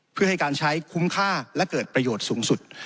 เพื่อให้การใช้คุ้มค่าและเกิดประโยชน์สูงสุด